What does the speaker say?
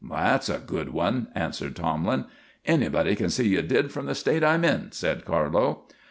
"That's a good one," answered Tomlin. "Anybody can see you did from the state I'm in," said Carlo.